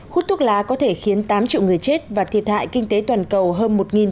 hút thuốc lá có thể khiến tám triệu người chết và thiệt hại kinh tế toàn cầu hơn